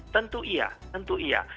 tentu iya tentu iya